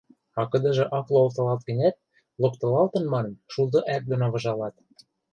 а кыдыжы ак локтылалт гӹнят, локтылалтын манын, шулды ӓк доно выжалат.